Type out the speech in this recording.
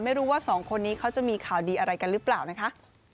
ไม่รู้ว่าสองคนนี้เขาจะมีข่าวดีอะไรกันหรือเปล่านะคะ